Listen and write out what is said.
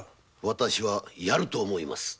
私はやると思います。